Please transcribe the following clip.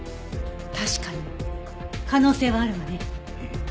確かに可能性はあるわね。